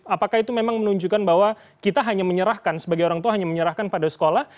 apakah itu memang menunjukkan bahwa kita hanya menyerahkan sebagai orang tua hanya menyerahkan pada sekolah